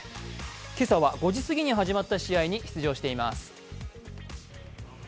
今朝は５時すぎに始まった試合に出場しています。